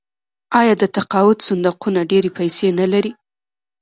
آیا د تقاعد صندوقونه ډیرې پیسې نلري؟